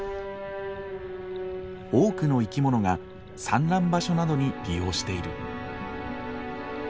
多くの生き物が産卵場所などに利用している。